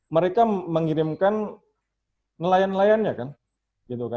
mereka mengirimkan nelayan nelayannya